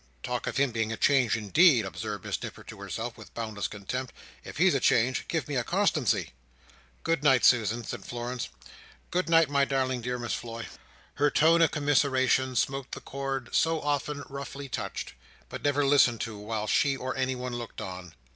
"Talk of him being a change, indeed!" observed Miss Nipper to herself with boundless contempt. "If he's a change, give me a constancy." "Good night, Susan," said Florence. "Good night, my darling dear Miss Floy." Her tone of commiseration smote the chord so often roughly touched, but never listened to while she or anyone looked on.